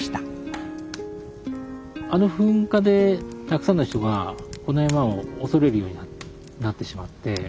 あの噴火でたくさんの人がこの山を恐れるようになってしまって。